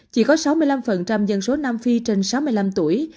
chỉ có sáu mươi năm dân số nam phi trên sáu mươi năm tuổi